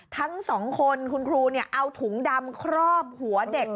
ทั้งสองคนคุณครูเอาถุงดำครอบหัวเด็ก